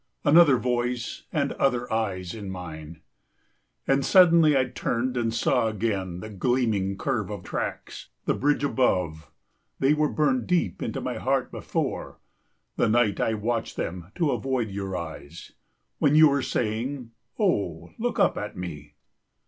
Another voice and other eyes in mine! And suddenly I turned and saw again The gleaming curve of tracks, the bridge above They were burned deep into my heart before, The night I watched them to avoid your eyes, When you were saying, "Oh, look up at me!"